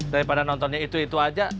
daripada nontonnya itu itu aja